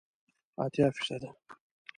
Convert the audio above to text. اتیا فیصده